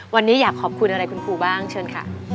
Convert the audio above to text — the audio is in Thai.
วันนี้อยากขอบคุณอะไรคุณครูบ้างเชิญค่ะ